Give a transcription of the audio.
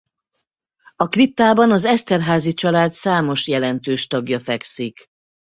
A kriptában az Esterházy család számos jelentős tagja fekszik.